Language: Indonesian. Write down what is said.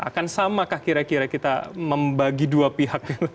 akan samakah kira kira kita membagi dua pihak